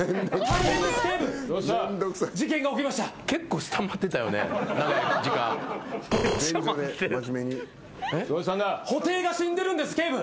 布袋が死んでるんです警部。